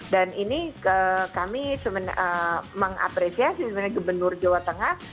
dan ini kami mengapresiasi sebenarnya gubernur jawa tengah